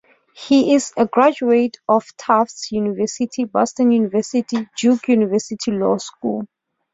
He is a graduate of Tufts University, Boston University and Duke University Law School.